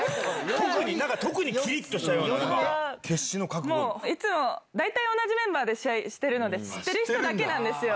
特に、なんかきりっとしたような、いつも、大体同じメンバーで試合してるので、知ってる人だけなんですよ。